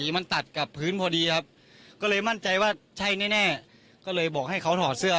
ไม่ใช่แน่ก็เลยบอกให้เขาถอดเสื้อ